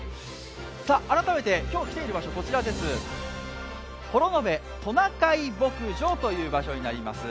改めて、今日、来ている場所は幌延トナカイ牧場という場所です。